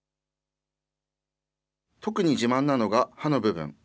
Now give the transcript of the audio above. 特に自慢なのが刃の部分。